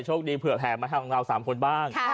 โชคดีเผื่อแผงมาทั้งเราสามคนบ้าง